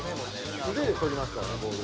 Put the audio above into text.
「素手で捕りますからねボール」